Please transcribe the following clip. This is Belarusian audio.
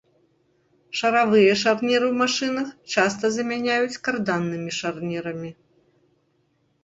Шаравыя шарніры ў машынах часта замяняюць карданнымі шарнірамі.